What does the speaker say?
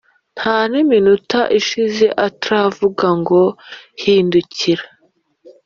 Ntaniminota ishira atravuga ngo hindukira